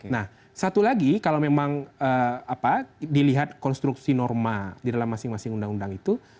nah satu lagi kalau memang dilihat konstruksi norma di dalam masing masing undang undang itu